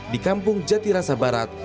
di kampung jatirasa barat